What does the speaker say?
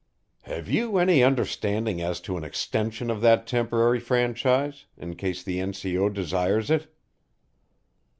"Have you any understanding as to an extension of that temporary franchise, in case the N.C.O. desires it?"